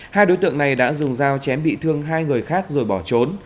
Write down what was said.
hai đối tượng này đã dùng dao chém bị thương hai người khác rồi bỏ trốn